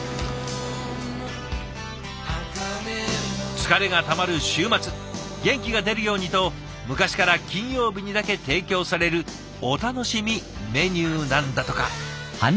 疲れがたまる週末元気が出るようにと昔から金曜日にだけ提供されるお楽しみメニューなんだとか。